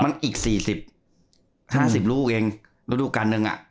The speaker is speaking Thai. มันอีก๔๐๕๐ลูกเองฤดูการหนึ่งอ่ะ